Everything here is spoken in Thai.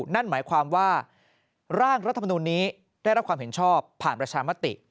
นั่นหมายความว่าร่างรัฐมนุนนี้ได้รับความเห็นชอบผ่านประชามติ